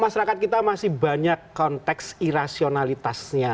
masyarakat kita masih banyak konteks irasionalitasnya